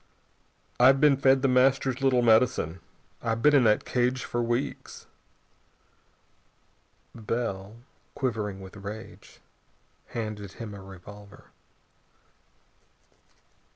I've been fed The Master's little medicine. I've been in that cage for weeks." Bell, quivering with rage, handed him a revolver.